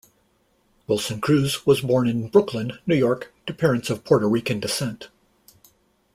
Wilson Cruz was born in Brooklyn, New York to parents of Puerto Rican descent.